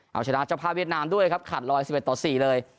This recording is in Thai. เอาชนะเจ้าภาพเวียดนามด้วยครับขาดรอย๑๑ต่อ๔เลย